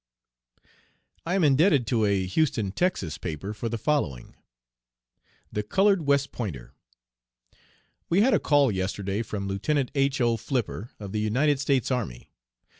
I am indebted to a Houston Texas, paper for the following: THE COLORED WEST POINTER. "We had a call yesterday from Lieutenant H. O. Flipper, of the United States Army. Mr.